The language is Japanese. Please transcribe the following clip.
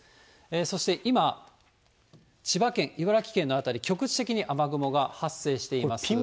そして、今、千葉県、茨城県の辺り、局地的に雨雲が発生しています。